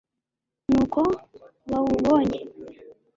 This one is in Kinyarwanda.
nuko bawubonye